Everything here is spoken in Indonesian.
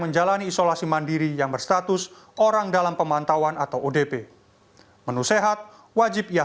menjalani isolasi mandiri yang berstatus orang dalam pemantauan atau odp menu sehat wajib ia